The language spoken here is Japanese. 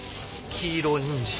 黄色にんじん。